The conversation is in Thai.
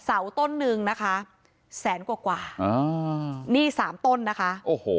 เสาต้นหนึ่งนะคะแสนกว่ากว่าอ่านี่สามต้นนะคะโอ้โห